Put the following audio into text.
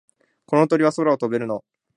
この鳥、空は飛べるの？